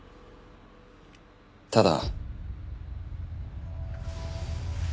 ただ。